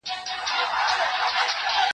زه به اوږده موده سفر کړی وم؟!